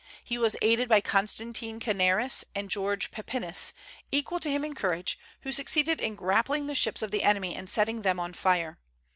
He was aided by Constantine Canaris and George Pepinis, equal to him in courage, who succeeded in grappling the ships of the enemy and setting them on fire.